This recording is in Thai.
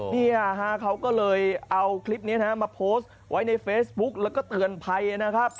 นี่ฮะเขาก็เลยเอาคลิปนี้มาโพสต์ไว้ในเฟซบุ๊กแล้วก็เตือนภัยนะครับ